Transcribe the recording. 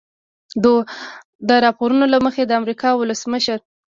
د راپورونو له مخې د امریکا ولسمشر